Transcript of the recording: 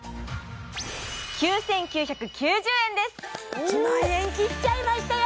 １が１万円切っちゃいましたよ